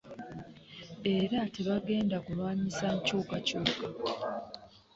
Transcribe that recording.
Era tebagenda kulwanyisa nkyukakyuka.